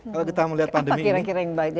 kalau kita melihat pandemi ini